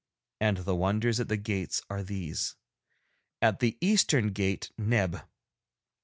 And the wonders at the gates are these. At the eastern gate Neb.